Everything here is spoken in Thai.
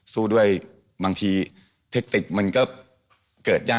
สู้ด้วยบางทีเทคติกมันก็เกิดยาก